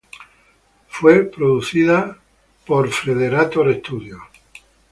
Fue producida por Frederator Studios.